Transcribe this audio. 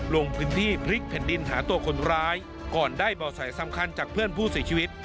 ลงพื้นที่พลิกแผ่นดินหาตัวคนร้ายก่อนได้บ่อแสสำคัญจากเพื่อนผู้เสียชีวิต